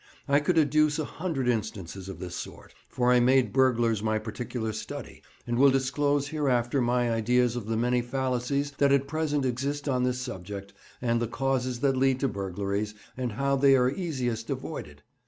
I could adduce a hundred instances of this sort, for I made burglars my particular study, and will disclose hereafter my ideas of the many fallacies that at present exist on this subject, and the causes that lead to burglaries, and how they are easiest avoided.